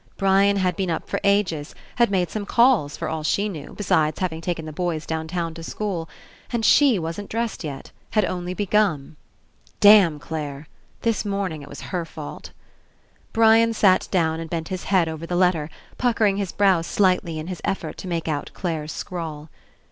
Brian had been up for ages, had made some calls for all she knew, besides having taken the boys downtown to school. And she wasn't dressed yet; had only begun. Damn Clare ! This morning it was her fault. Brian sat down and bent his head over the letter, puckering his brows slightly in his effort to make out Clare's scrawl.